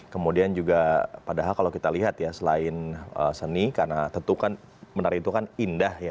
kemudian juga padahal kalau kita lihat ya selain seni karena tentu kan menari itu kan indah ya